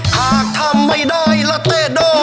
หากทำไม่ได้ละเต้โด